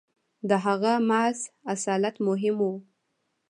• د هغه محض اصالت مهم و.